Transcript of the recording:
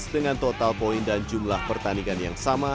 dengan total poin dan jumlah pertandingan yang sama